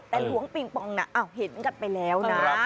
แต่หลวงปิงปองน่ะเห็นกันไปแล้วนะ